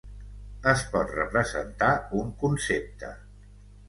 Es pot representar un concepte.